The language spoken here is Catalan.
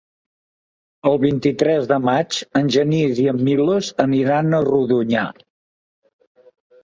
El vint-i-tres de maig en Genís i en Milos aniran a Rodonyà.